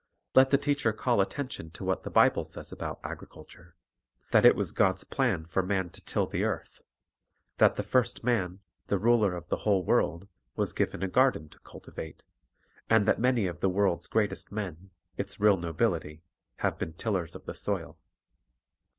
Let the teacher call attention to what the Bible saws about agriculture: that it was God's plan for man to till the earth; that the first man, the ruler of the whole world, was given a garden to cultivate; and that many of the world's greatest men, its real nobility, have been tillers of the soil.